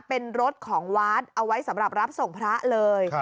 เป็นรถของวัดเอาไว้สำหรับรับส่งพระเลย